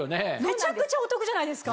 めちゃくちゃお得じゃないですか。